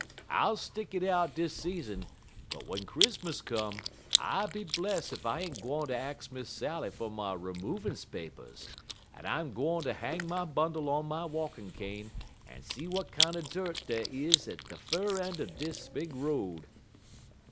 I'll stick it out dis season, but w'en Chrismus come, I be bless ef I ain't gwine ter ax Miss Sally fer my remoovance papers, en I'm gwine ter hang my bundle on my walkin' cane, en see w'at kinder dirt dey is at de fur een' er de big road."